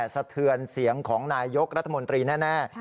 สะเทือนเสียงของนายยกรัฐมนตรีแน่